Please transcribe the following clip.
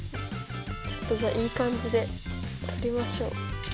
ちょっとじゃあいい感じで撮りましょう。